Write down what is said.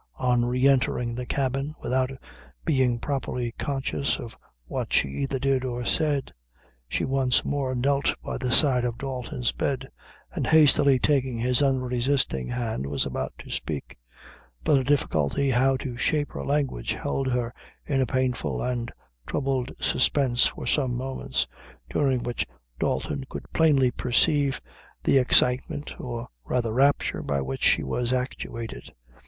On re entering the cabin, without being properly conscious of what she either did or said, she once more knelt by the side of Dalton's bed, and hastily taking his unresisting hand, was about to speak; but a difficulty how to shape her language held her in a painful and troubled suspense for some moments, during which Dalton could plainly perceive the excitement, or rather rapture, by which she was actuated.